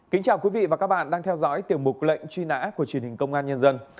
kính chào quý vị và các bạn đang theo dõi tiểu mục lệnh truy nã của truyền hình công an nhân dân